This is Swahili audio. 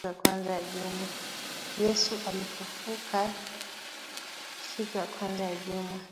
Yesu alifufukaka siku ya kwanza ya juma